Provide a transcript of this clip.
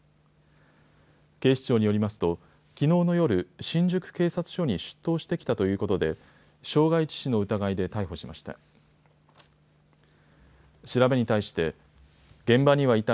警視庁によりますときのうの夜、新宿警察署に出頭してきたということで傷害致死の疑いで逮捕しました。